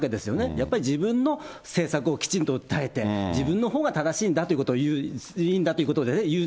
やっぱり、自分の政策をきちんと訴えて、自分のほうが正しいんだということを言うということですよね。